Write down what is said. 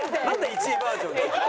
１位バージョンって。